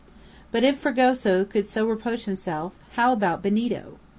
But if Fragoso could so reproach himself, how about Benito?